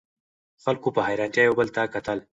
خلکو په حیرانتیا یو بل ته کتل.